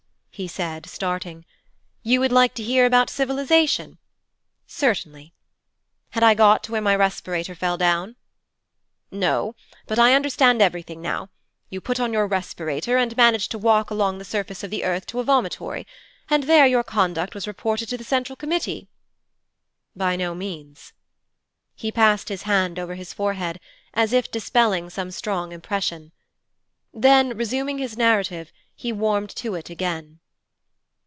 he said, starting. 'You would like to hear about civilization. Certainly. Had I got to where my respirator fell down?' 'No but I understand everything now. You put on your respirator, and managed to walk along the surface of the earth to a vomitory, and there your conduct was reported to the Central Committee.' 'By no means.' He passed his hand over his forehead, as if dispelling some strong impression. Then, resuming his narrative, he warmed to it again.